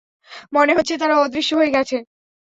মনে হচ্ছে, তারা অদৃশ্য হয়ে গেছে।